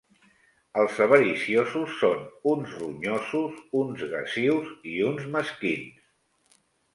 Els avariciosos són uns ronyosos, uns gasius i uns mesquins.